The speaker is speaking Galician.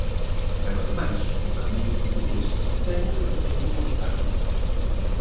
Pero ademais o Camiño Portugués ten un crecemento constante.